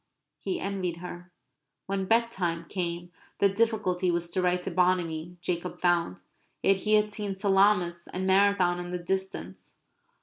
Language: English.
He envied her. When bedtime came the difficulty was to write to Bonamy, Jacob found. Yet he had seen Salamis, and Marathon in the distance.